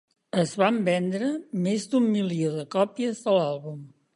Es van vendre més d'un milió de còpies de l'àlbum.